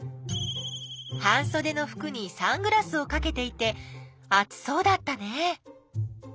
半そでのふくにサングラスをかけていて暑そうだったね。